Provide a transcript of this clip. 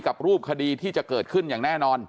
รูปคดีที่จะเกิดขึ้นอย่างแน่นอน